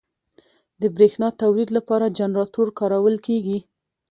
د برېښنا تولید لپاره جنراتور کارول کېږي.